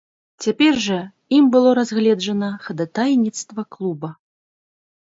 Цяпер жа ім было разгледжана хадайніцтва клуба.